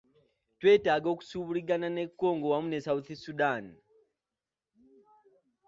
Twetaaga okusuubuligana ne Congo wamu ne South Sudan,